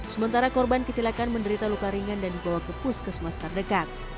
sementara korban kecelakaan menderita luka ringan dan dibawa ke pus ke semesta dekat